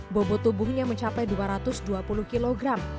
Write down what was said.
bobo tubuhnya mencapai dua ratus dua puluh kilogram